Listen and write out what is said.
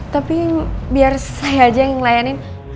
tapi biar saya aja yang ngelayanin